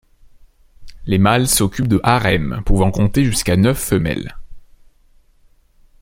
Les mâles s'occupent de harems pouvant compter jusqu'à neuf femelles.